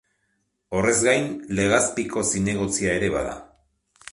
Horrez gain, Legazpiko zinegotzia ere bada.